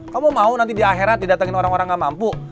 kamu mau nanti di akhirnya didatangin orang orang gak mampu